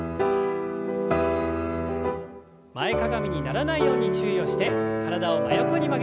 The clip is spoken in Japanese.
前かがみにならないように注意をして体を真横に曲げます。